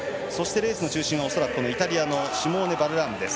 レースの中心は恐らくイタリアのシモーネ・バルラームです。